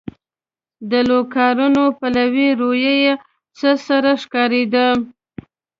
د لوکارنو پلوي رویه یو څه سړه ښکارېده.